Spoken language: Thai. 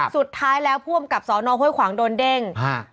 สุดท้ายแล้วผู้อำกับสอนอห้วยขวางโดนเด้งฮะ